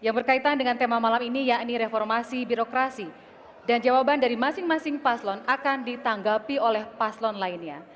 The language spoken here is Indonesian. yang berkaitan dengan tema malam ini yakni reformasi birokrasi dan jawaban dari masing masing paslon akan ditanggapi oleh paslon lainnya